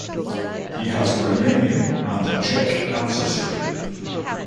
He has Romanian and Czech ancestry.